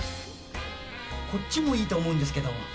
こっちもいいと思うんですけど。